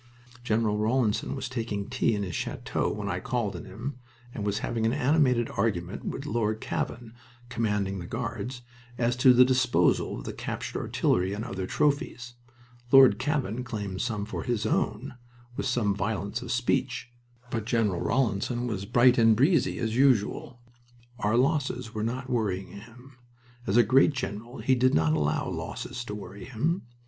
General Rawlinson was taking tea in his chateau when I called on him, and was having an animated argument with Lord Cavan, commanding the Guards, as to the disposal of the captured artillery and other trophies. Lord Cavan claimed some for his own, with some violence of speech. But General Rawlinson was bright and breezy as usual. Our losses were not worrying him. As a great general he did not allow losses to worry him.